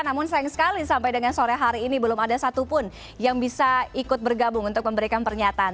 namun sayang sekali sampai dengan sore hari ini belum ada satupun yang bisa ikut bergabung untuk memberikan pernyataan